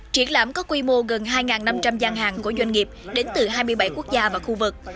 triển lãm có quy mô gần hai năm trăm linh gian hàng của doanh nghiệp đến từ hai mươi bảy quốc gia và khu vực